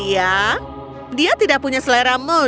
tapi yang jelas setiap kali ada ketenaran ada kecemburuan dan kebencian